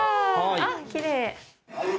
あっ、きれい。